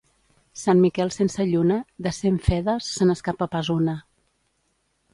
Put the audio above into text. Sant Miquel sense lluna, de cent fedes, se n'escapa pas una.